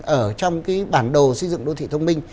ở trong cái bản đồ xây dựng đô thị thông minh